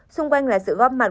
xung quanh là sự góp mặt